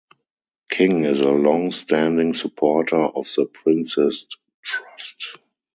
King is a longstanding supporter of The Prince's Trust.